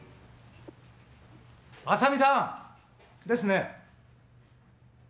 ・浅見さんですね？